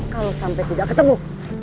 kalau sampai tidak ketemu